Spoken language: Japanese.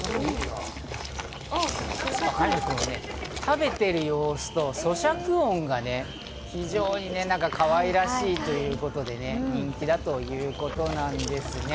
食べてる様子と咀嚼音が非常にかわいらしいということでね、人気だということなんですね。